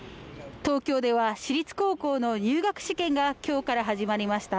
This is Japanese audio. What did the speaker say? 東京では私立高校の入学試験がきょうから始まりました